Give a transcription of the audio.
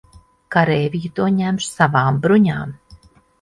Kareivji to ņem savām bruņām.